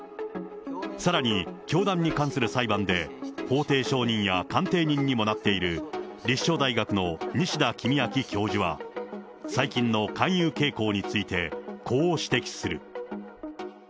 さらに教団に関する裁判で、法廷証人や鑑定人にもなっている立正大学の西田公昭教授は、最近の勧誘傾向について、こう指摘する。